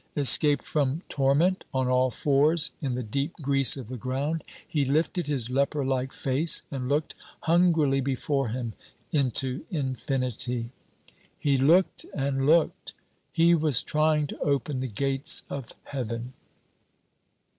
Escaped from torment, on all fours in the deep grease of the ground, he lifted his leper like face and looked hungrily before him into infinity. He looked and looked. He was trying to open the gates of heaven.